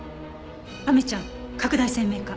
亜美ちゃん拡大鮮明化。